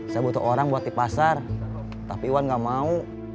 saya butuh orang buat di pasar tapi iwan gak mau